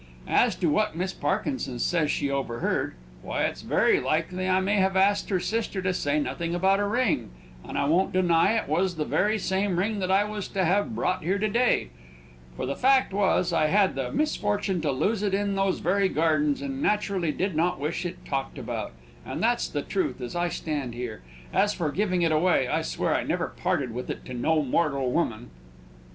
As to what Miss Parkinson says she overheard, why, it's very likely I may have asked her sister to say nothing about a ring, and I won't deny it was the very same ring that I was to have brought here to day; for the fact was, I had the misfortune to lose it in those very gardens, and naturally did not wish it talked about: and that's the truth, as I stand here. As for giving it away, I swear I never parted with it to no mortal woman!"